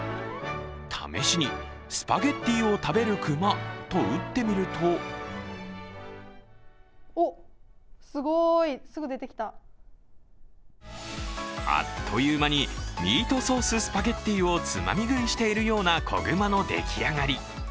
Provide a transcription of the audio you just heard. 試しに、「スパゲッティを食べる熊」と打ってみるとあっという間にミートソーススパゲッティをつまみ食いしているような小熊の出来上がり。